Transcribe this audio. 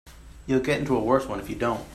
You'll get into a worse one if you don't.